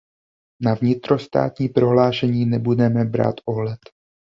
Na vnitrostátní prohlášení nebudeme brát ohled.